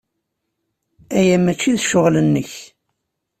Aya maci d ccɣel-nnek.